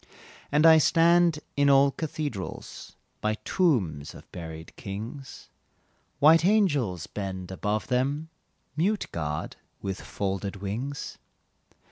And I stand in old cathedrals, By tombs of buried kings, White angels bend above them Mute guard with folded wings.